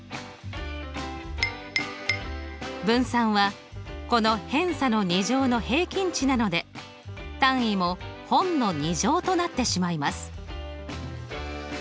分散はこの偏差の２乗の平均値なので単位も本の２乗となってしまいます。